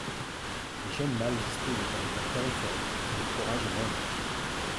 Les jeunes mâles disposent de territoires périphériques, où le fourrage est moins bon.